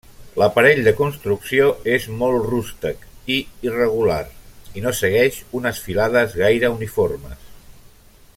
L'aparell de construcció és molt rústec i irregular, i no segueix unes filades gaire uniformes.